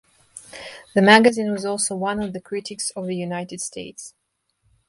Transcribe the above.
The magazine was also one of the critics of the United States.